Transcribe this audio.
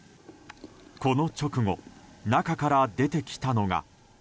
この直後、中から出てきたのが。